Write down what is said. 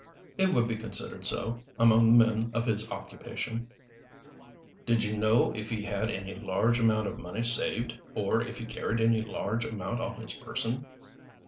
"It would be considered so, among the men of his occupation." "Do you know if he had any large amount of money saved, or if he carried any large amount on his person?"